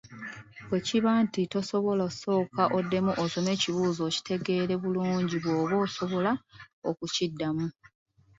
Bwe kiba nti tosobola sooka oddemu osome ekibuuzo okitegeere bulungi bw’oba osobola okukiddamu.